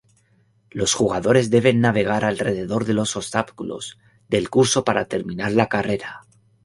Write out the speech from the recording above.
Los jugadores deben navegar alrededor de los obstáculos del curso para terminar la carrera.